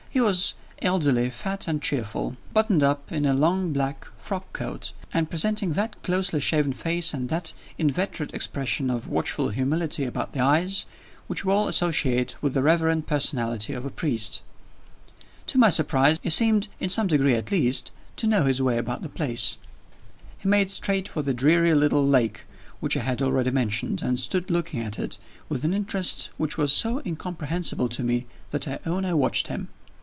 He was elderly, fat and cheerful; buttoned up in a long black frockcoat, and presenting that closely shaven face and that inveterate expression of watchful humility about the eyes, which we all associate with the reverend personality of a priest. To my surprise, he seemed, in some degree at least, to know his way about the place. He made straight for the dreary little lake which I have already mentioned, and stood looking at it with an interest which was so incomprehensible to me, that I own I watched him.